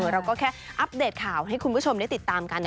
เราก็แค่อัปเดตข่าวให้คุณผู้ชมได้ติดตามกัน